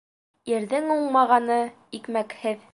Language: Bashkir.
Ирҙең уңмағаны икмәкһеҙ.